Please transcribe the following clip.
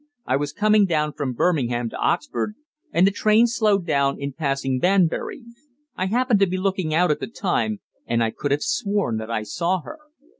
I was coming down from Birmingham to Oxford, and the train slowed down in passing Banbury. I happened to be looking out at the time, and I could have sworn that I saw her."